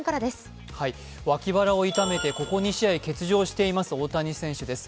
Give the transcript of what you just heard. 脇腹を痛めて、ここ２試合欠場している大谷選手です。